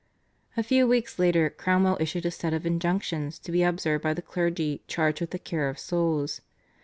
A few weeks later Cromwell issued a set of /Injunctions/ to be observed by the clergy charged with the care of souls.